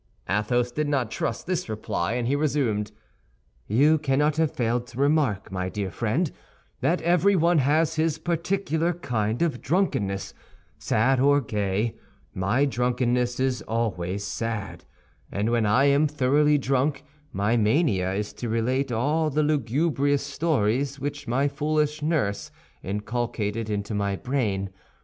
Athos did not trust this reply, and he resumed; "you cannot have failed to remark, my dear friend, that everyone has his particular kind of drunkenness, sad or gay. My drunkenness is always sad, and when I am thoroughly drunk my mania is to relate all the lugubrious stories which my foolish nurse inculcated into my brain.